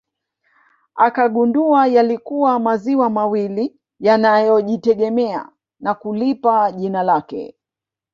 Akagundua yalikuwa maziwa mawili yanayojitegemea na kulipa jina lake